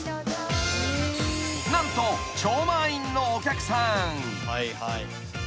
［何と超満員のお客さん］